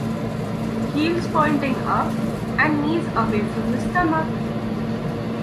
Heels pointing up and knees away from the stomach.